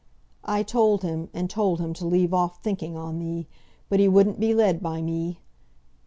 "I told him, and told him to leave off thinking on thee; but he wouldn't be led by me.